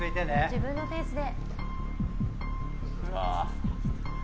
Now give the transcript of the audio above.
自分のペースで。